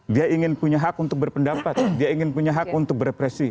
dia ingin punya hak untuk berpendapat dia ingin punya hak untuk berpresi